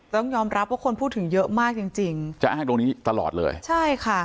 ต้องยอมรับว่าคนพูดถึงเยอะมากจริงจริงจะอ้างตรงนี้ตลอดเลยใช่ค่ะ